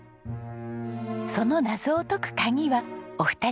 その謎を解く鍵はお二人の過去に！